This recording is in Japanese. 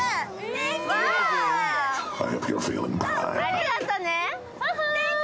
ありがとね。